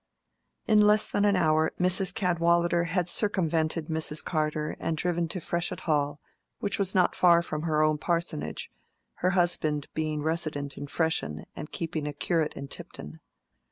In less than an hour, Mrs. Cadwallader had circumvented Mrs. Carter and driven to Freshitt Hall, which was not far from her own parsonage, her husband being resident in Freshitt and keeping a curate in Tipton.